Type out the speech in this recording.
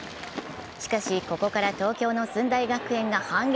しかし、ここから東京の駿台学園が反撃。